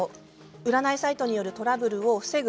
占いサイトによるトラブルを防ぐ